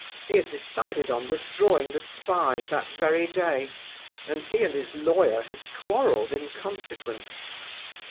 He had decided on withdrawing the spy that very day, and he and his lawyer had quarreled in consequence.